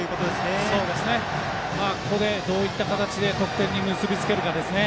ここでどういった形で得点に結び付けるかですね。